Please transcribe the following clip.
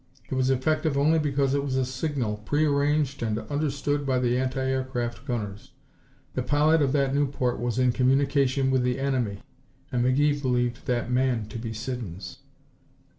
It was effective only because it was a signal, prearranged and understood by the anti aircraft gunners. The pilot of that Nieuport was in communication with the enemy, and McGee believed that man to be Siddons!